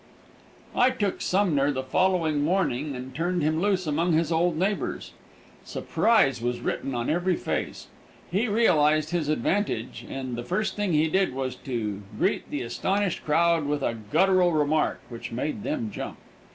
I took Sumner the following morning and turned him loose among his old neighbors. Surprise was written on every face. He realized his advantage, and the first thing he did was to greet the astonished crowd with a gutteral remark, which made them jump.